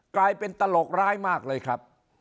กลายเป็นตลกร้ายมากเลยครับ